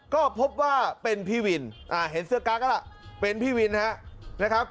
ก็พบว่าเป็นพี่วินเห็นเสื้อกั๊กแล้วล่ะเป็นพี่วินนะครับ